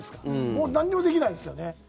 もうなんにもできないですよね。